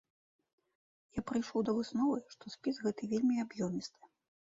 Я прыйшоў да высновы, што спіс гэты вельмі аб'ёмісты.